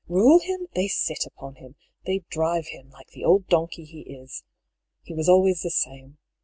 Rule him ? They sit upon him. They drive him, like the old donkey he is. He was always the same.